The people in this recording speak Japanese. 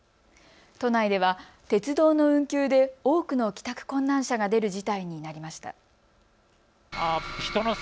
都内では鉄道の運休で多くの帰宅困難者が出る事態になりました。